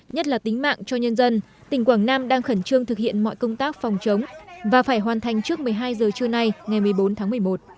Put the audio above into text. nhất là tính mạng cho nhân dân tỉnh quảng nam đang khẩn trương thực hiện mọi công tác phòng chống và phải hoàn thành trước một mươi hai giờ trưa nay ngày một mươi bốn tháng một mươi một